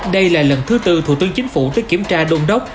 đây là lần thứ tư thủ tướng chính phủ tới kiểm tra đôn đốc